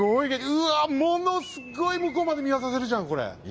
うわものすごい向こうまで見渡せるじゃんこれ。